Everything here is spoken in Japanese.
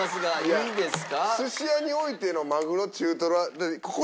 いいですか？